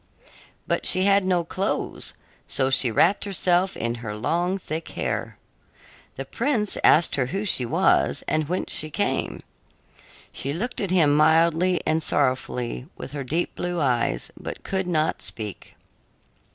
But she had no clothes, so she wrapped herself in her long, thick hair. The prince asked her who she was and whence she came. She looked at him mildly and sorrowfully with her deep blue eyes, but could not speak.